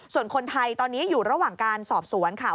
ส่วนคนไทยตอนนี้อยู่ระหว่างการสอบสวนค่ะ